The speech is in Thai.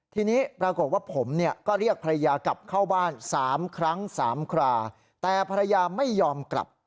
ทีนี้ปรากฏว่าผมเนี่ยก็เรียกภรรยากลับเข้าบ้าน๓ครั้ง๓คราแต่ภรรยาไม่ยอมกลับ